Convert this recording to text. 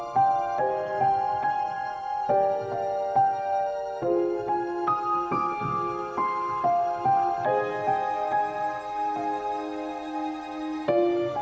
pembunuhan di pulau mas jaya